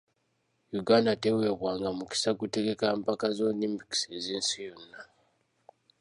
Uganda teweebwanga mukisa kutegeka mpaka za olimpikisi ez’ensi yonna.